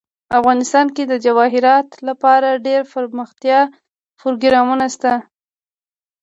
افغانستان کې د جواهرات لپاره دپرمختیا پروګرامونه شته.